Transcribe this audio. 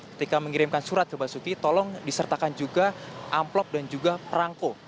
ketika mengirimkan surat ke basuki tolong disertakan juga amplop dan juga perangko